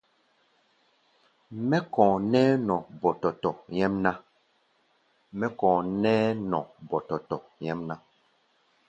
Mɛ́ kɔ̧ɔ̧ nɛ́ɛ́ nɔ ɓɔ́tɔ́tɔ́ nyɛ́mná.